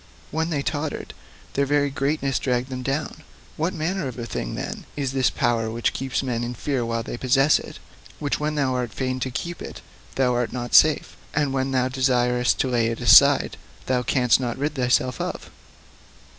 When they tottered, their very greatness dragged them down. What manner of thing, then, is this power which keeps men in fear while they possess it which when thou art fain to keep, thou art not safe, and when thou desirest to lay it aside thou canst not rid thyself of?